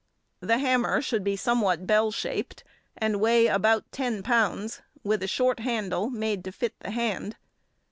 The hammer should be somewhat bell shaped, and weigh about ten pounds, with a short handle, made to fit the hand.